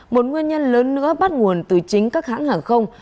một nguyên nhân lớn nữa bắt nguồn từ chính các hãng hàng không